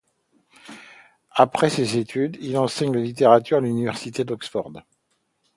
Après ses études, il enseigne la littérature à l'université d'Oxford.